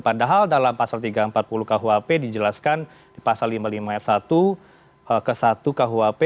padahal dalam pasal tiga ratus empat puluh khuap dijelaskan pasal lima ratus lima puluh satu ke satu khuap